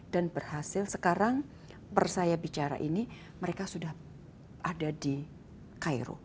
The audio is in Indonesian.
dan berhasil sekarang per saya bicara ini mereka sudah ada di cairo